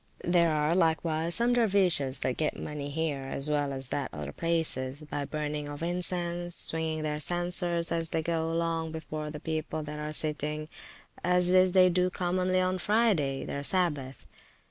There are likewise some dervises that get money here, as well as at other places, by burning of incense, swinging their censers as they go along before the people that are sitting; as this they do commonly on Friday, their Sabbath.